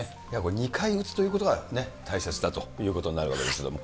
２回打つということが大切だということになるわけですけれども。